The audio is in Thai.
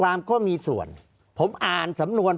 ภารกิจสรรค์ภารกิจสรรค์